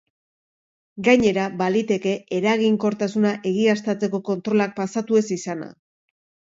Gainera, baliteke eraginkortasuna egiaztatzeko kontrolak pasatu ez izana.